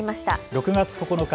６月９日